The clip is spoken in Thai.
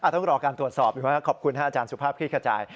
ต้องรอการตรวจสอบอยู่ครับขอบคุณอาจารย์สุภาพคลิกขจาย